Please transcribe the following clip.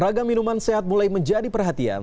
ragam minuman sehat mulai menjadi perhatian